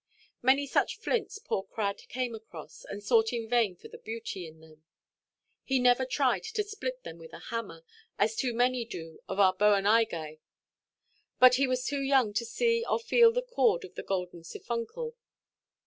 Many such flints poor Crad came across, and sought in vain for the beauty of them. He never tried to split them with a hammer, as too many do of our Boanergæ; but he was too young to see or feel the chord of the golden siphuncle.